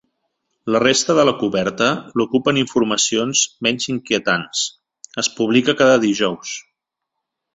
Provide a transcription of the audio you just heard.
La resta de la coberta l'ocupen informacions menys inquietants: «Es publica cada dijous.